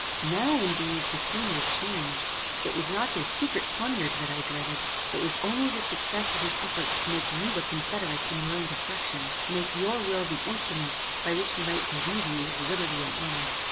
"Now, indeed, the scene was changed. It was not his secret poniard that I dreaded. It was only the success of his efforts to make you a confederate in your own destruction, to make your will the instrument by which he might bereave you of liberty and honor.